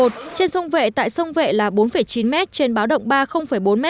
trên sông vệ tại sông vệ là bốn chín m trên báo động ba bốn m